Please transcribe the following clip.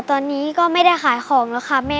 ตอนนี้ก็ไม่ได้ขายของแล้วค่ะแม่